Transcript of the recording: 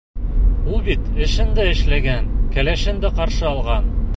Ул бит эшен дә эшләгән, кәләшен дә ҡаршы алған.